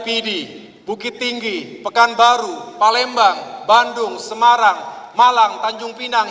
pidi bukit tinggi pekanbaru palembang bandung semarang malang tanjung pinang